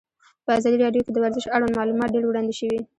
په ازادي راډیو کې د ورزش اړوند معلومات ډېر وړاندې شوي.